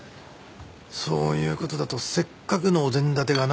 そういう事だとせっかくのお膳立てがなあ。